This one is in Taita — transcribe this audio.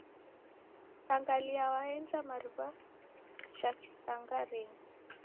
Sangalia waenja mariw'a cha kisangarinyi.